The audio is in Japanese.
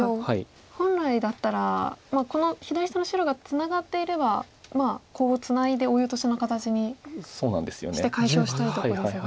本来だったらこの左下の白がツナがっていればコウをツナいでオイオトシの形にして解消したいとこですが。